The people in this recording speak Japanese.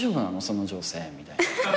その女性」みたいな。